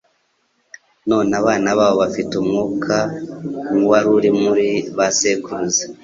None abana babo bafite umwuka nk'uwari uri muri ba sekuruza,